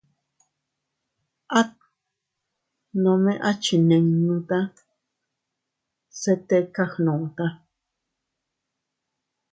At nome a chinninuta se tika gnuta.